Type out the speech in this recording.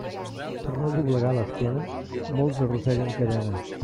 Per no doblegar l'esquena, molts arrosseguen cadena.